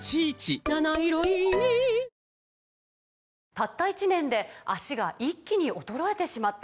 「たった１年で脚が一気に衰えてしまった」